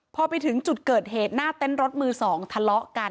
พอไปถึงจุดเกิดเหตุหน้าเต้นรถมือ๒ทะเลาะกัน